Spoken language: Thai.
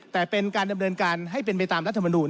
แต่เป็นการดำเนินการให้เป็นไปตามรัฐมนูล